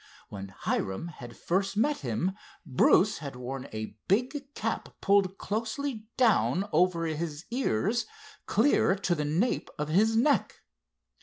When Hiram had first met him Bruce had worn a big cap pulled closely down over his ears, clear to the nape of his neck.